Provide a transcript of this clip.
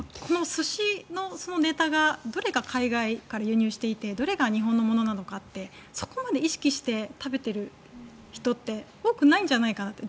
寿司のネタがどれが海外から輸入していてどれが日本のものなのかってそこまで意識して食べてる人って多くないんじゃないかなって。